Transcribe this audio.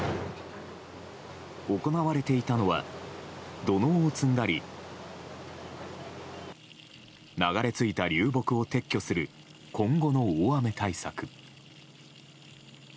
行われていたのは土のうを積んだり流れ着いた流木を撤去する今後の大雨対策。